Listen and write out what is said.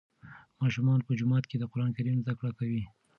ماشومان په جوماتونو کې د قرآن کریم زده کړه کوي.